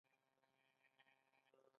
ایا د وینې نری کوونکې ګولۍ خورئ؟